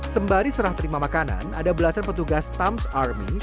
sembari serah terima makanan ada belasan petugas tams army